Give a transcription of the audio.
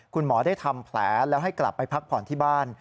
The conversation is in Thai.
คุณหมอได้ทำแผลแล้วให้กลับไปพักผ่อนที่บ้าน